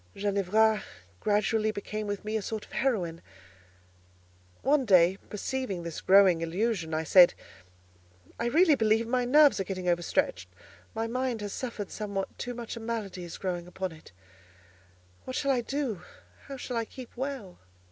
Ginevra gradually became with me a sort of heroine. One day, perceiving this growing illusion, I said, "I really believe my nerves are getting overstretched: my mind has suffered somewhat too much a malady is growing upon it—what shall I do? How shall I keep well?"